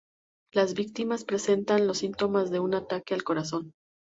Las víctimas presentan los síntomas de un ataque al corazón.